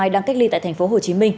đang cách ly tại tp hcm